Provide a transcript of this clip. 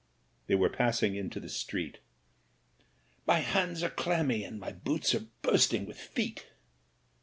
They were passing into the street. "My hands are clammy and my boots are bursting with feet."